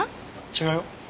違うよ。